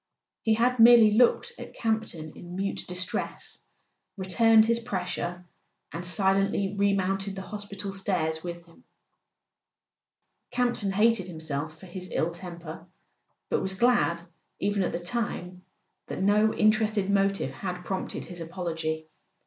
He had merely looked at Campton in mute distress, returned his pressure, and silently remounted the hospital stairs with him. Campton hated himself for his ill temper, but was glad, even at the time, that no interested motive had prompted his apology.